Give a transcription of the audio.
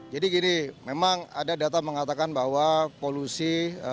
jadi gini memang ada data mengatakan bahwa polusi